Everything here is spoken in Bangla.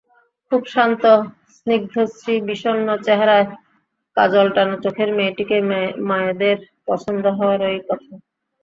খুব শান্ত স্নিগ্ধশ্রী বিষণ্ন চেহারায় কাজলটানা চোখের মেয়েটিকে মায়েদের পছন্দ হওয়ারই কথা।